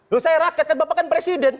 loh saya rakyat kan bapak kan presiden